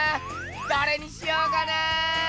どれにしようかな！